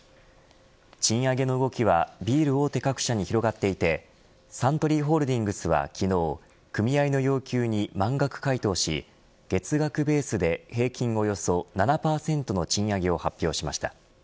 賃上げの動きはビール大手各社に広がっていてサントリーホールディングスは昨日組合の要求に満額回答し月額ベースで、平均およそ７％の賃上げを発表しました。